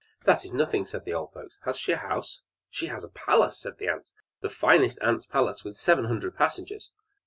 "That is nothing!" said the old folks. "Has she a house?" "She has a palace!" said the ant. "The finest ant's palace, with seven hundred passages!"